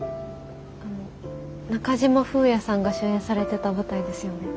あの中島風也さんが主演されてた舞台ですよね。